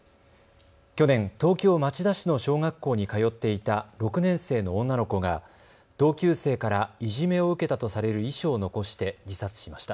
去年、東京町田市の小学校に通っていた６年生の女の子が同級生からいじめを受けたとされる遺書を残して自殺しました。